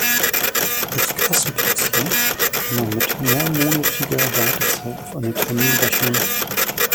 Als Kassenpatient kann man mit mehrmonatiger Wartezeit auf einen Termin rechnen.